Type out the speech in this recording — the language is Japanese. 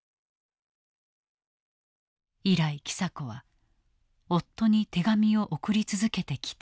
以来喜佐子は夫に手紙を送り続けてきた。